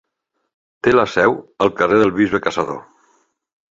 Té la seu al carrer del Bisbe Caçador.